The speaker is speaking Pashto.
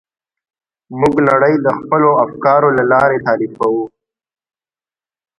موږ نړۍ د خپلو افکارو له لارې تعریفوو.